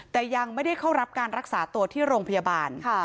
แต่ยังไม่ได้เข้ารับการรักษาตัวที่โรงพยาบาล